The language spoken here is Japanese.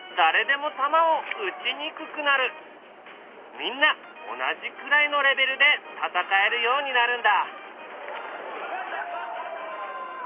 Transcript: みんな同じくらいのレベルで戦えるようになるんだ。